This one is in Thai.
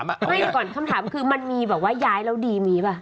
ไม่เดี๋ยวก่อนคำถามคือมันมีแบบว่าย้ายแล้วดีมีป่ะ